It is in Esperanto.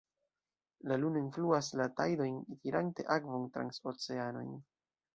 La luno influas la tajdojn, tirante akvon trans oceanojn.